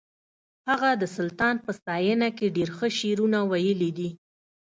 هغه د سلطان په ستاینه کې ډېر ښه شعرونه ویلي دي